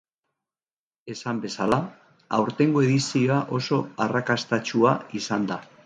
Esan bezala, aurtengo edizioa oso arrakastatsua izan da.